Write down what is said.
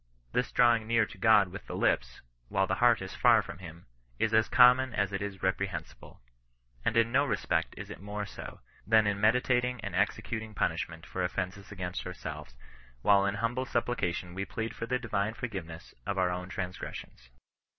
This drawing near to God with the lips, while the heart is far from him, is as common as it is reprehensible. And in no respect is it more so, than in meditating and executing punishment for offences against ourselves, whilst in humble supplication we plead for the divine forgiveness of our own transgres sions.